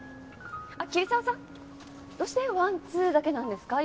あっ桐沢さん！どうしてワンツーだけなんですか？